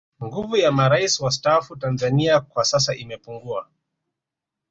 nguvu ya marais wastaafu tanzania kwa sasa imepungua